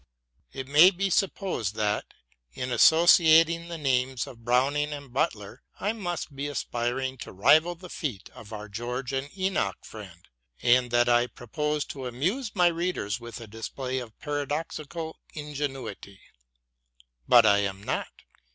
It may be supposed that, in associating the names of Browning and Butler, I must be aspiring to rival the feat of our George and Enoch friend, and that I propose to amuse my readers with a display of paradoxical ingenuity ; but I am not.